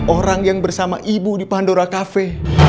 orang yang bersama ibu di pandora kafe